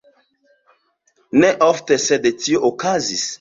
Ne ofte, sed tio okazis.